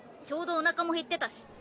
ちょうどおなかも減ってたし。